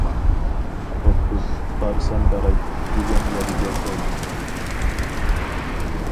بوپتۇ، بارسام باراي، دېگەن يەرگە كەلدى.